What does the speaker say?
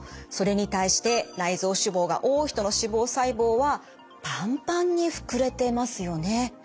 それに対して内臓脂肪が多い人の脂肪細胞はパンパンに膨れてますよね。